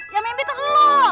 yang mimpi tuh lo